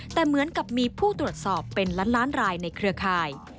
แต่เหมือนกับมีผู้ตรวจสอบเป็นล้านล้านรายในเครือข่าย